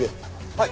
はい。